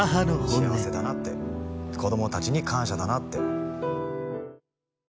「幸せだなって子供達に感謝だなって」